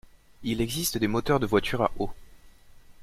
Il existe des moteurs de voiture à eau.